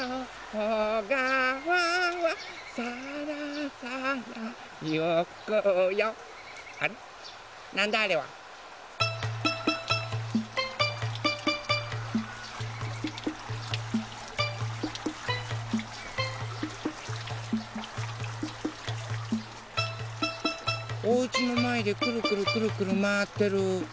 おうちのまえでくるくるくるくるまわってる。